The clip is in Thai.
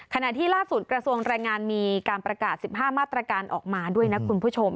ขณะที่ล่าสุดกระทรวงแรงงานมีการประกาศ๑๕มาตรการออกมาด้วยนะคุณผู้ชม